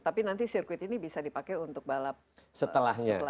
tapi nanti sirkuit ini bisa dipakai untuk balap setelah